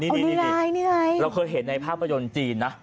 นี่เราเคยเห็นในภาพยนตร์จีนนะ